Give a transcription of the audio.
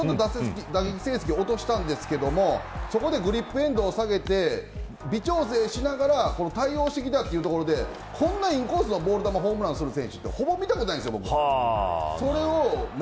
打撃成績を落としたんですがそこでグリップエンドを下げて微調整しながら対応してきたというところでこんなインコースのボール球をホームランする選手はほぼ見たことないです。